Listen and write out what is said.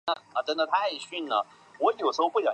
当中包括已结业多年的欢乐天地回归。